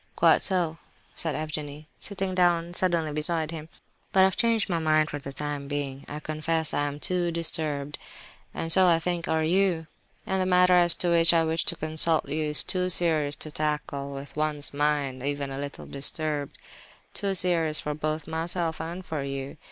"Quite so," said Evgenie, sitting down suddenly beside him, "but I have changed my mind for the time being. I confess, I am too disturbed, and so, I think, are you; and the matter as to which I wished to consult you is too serious to tackle with one's mind even a little disturbed; too serious both for myself and for you.